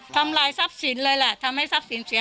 ทำลายทรัพย์สินเลยแหละทำให้ทรัพย์สินเสีย